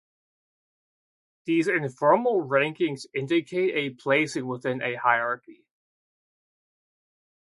These informal rankings indicate a placing within a hierarchy.